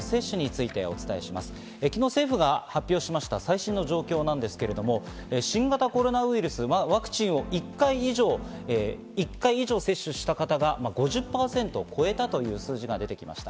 昨日、政府が発表しました最新の状況ですけれども、新型コロナウイルスワクチンを１回以上接種した方が５０％を超えたという数字が出てきました。